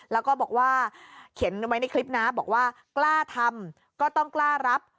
แล้วก็บอกว่าเขียนไว้ในคลิปนะบอกว่ากล้าทำก็ต้องกล้ารับ